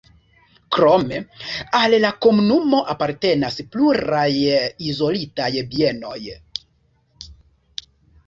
Krome al la komunumo apartenas pluraj izolitaj bienoj.